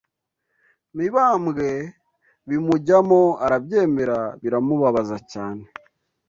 Mibambwe bimujyamo arabyemera biramubabaza cyane